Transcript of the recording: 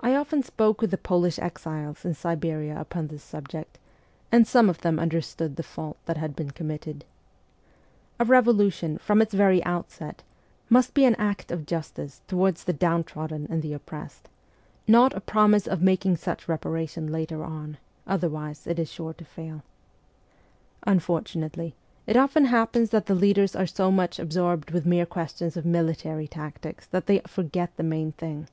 I often spoke with the Polish exiles in Siberia upon this subject, and some of them understood the fault that had been committed. A revolution, from its very outset, must be an act of justice towards the 'down trodden and the oppressed ' not a promise of making such re paration later on otherwise it is sure to fail. Unfor tunately, it often happens that the leaders are so much absorbed with mere questions of military tactics that they forget the main thing.